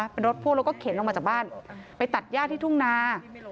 เป็นรถพ่วงแล้วก็เข็นออกมาจากบ้านไปตัดย่าที่ทุ่งนา